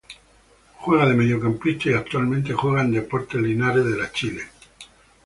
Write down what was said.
Juega de mediocampista y actualmente juega en Deportes Linares de la Chile.